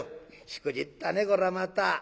「しくじったねこらまた」。